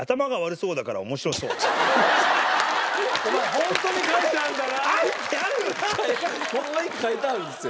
ホンマに書いてあるんですよ。